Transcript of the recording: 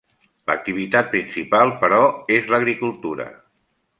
L'activitat principal però és l'agricultura.